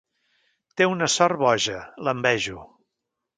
Té una sort boja: l'envejo.